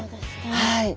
はい。